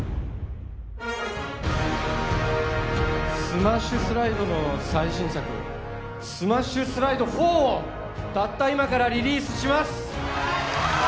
スマッシュスライドの最新作スマッシュスライド４をたった今からリリースします